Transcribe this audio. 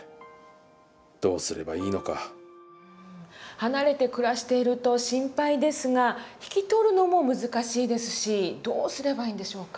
離れて暮らしていると心配ですが引き取るのも難しいですしどうすればいいんでしょうか。